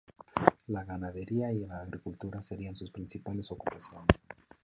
La ganadería y la agricultura serían sus principales ocupaciones.